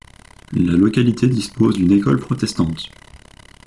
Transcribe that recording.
La localité dispose d'une école protestante.